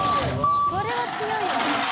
それは強いわ。